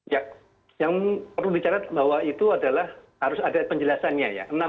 ya yang perlu dicarat bahwa itu adalah harus ada penjelasannya ya